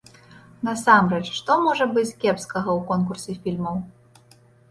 Насамрэч, што можа быць кепскага ў конкурсе фільмаў?